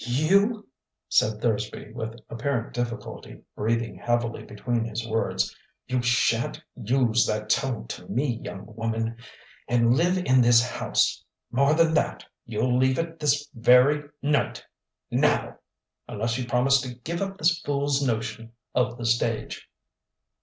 "You," said Thursby with apparent difficulty, breathing heavily between his words "you shan't use that tone to me, young woman, and live in this house. More than that, you'll leave it this very night now! unless you promise to give up this fool's notion of the stage."